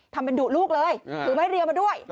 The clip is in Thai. ทำเป็นดุลูกเลยถือไม้เรียวมาด้วย